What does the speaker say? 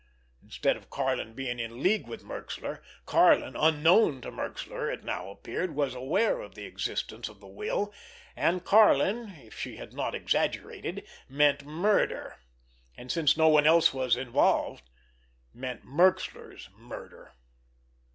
Instead of Karlin being in league with Merxler, Karlin, unknown to Merxler, it now appeared, was aware of the existence of the will—and Karlin, if she had not exaggerated, meant murder. And, since no one else was involved, meant Merxler's murder.